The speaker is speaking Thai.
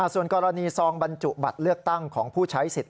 ส่วนกรณีซองบรรจุบัตรเลือกตั้งของผู้ใช้สิทธิ